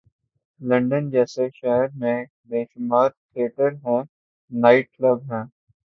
London جیسے شہرمیں بیشمار تھیٹر ہیں‘نائٹ کلب ہیں۔